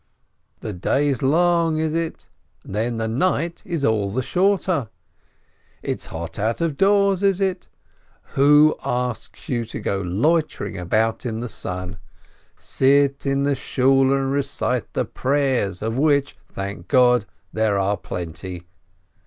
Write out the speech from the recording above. The day is long, is it? Then the night is all the shorter. It's hot out of doors, is it? Who asks you to go loitering about in the sun? Sit in the Shool and recite the prayers, of which, thank God, there are plenty.